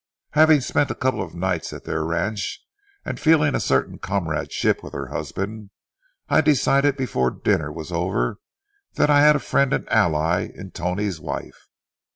Having spent a couple of nights at their ranch, and feeling a certain comradeship with her husband, I decided before dinner was over that I had a friend and ally in Tony's wife.